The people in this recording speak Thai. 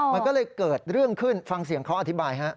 มันก็เลยเกิดเรื่องขึ้นฟังเสียงเขาอธิบายฮะ